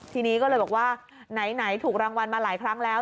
ทีนี้ก็เลยบอกว่าไหนถูกรางวัลมาหลายครั้งแล้ว